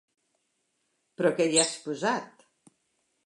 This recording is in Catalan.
Però què hi has posat?